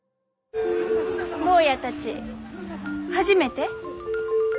坊やたち初めて？